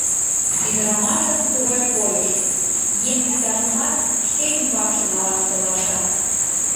— Ӱдырамашын тугай койыш: еҥ титакымат шке ӱмбакше налаш толаша.